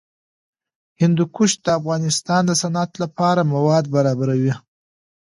هندوکش د افغانستان د صنعت لپاره مواد برابروي.